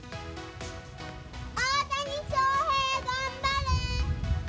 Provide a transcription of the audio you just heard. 大谷翔平、頑張れー！